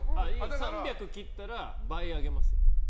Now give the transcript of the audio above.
３００を切ったら倍あげますよ。